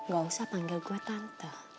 gak usah panggil gue tante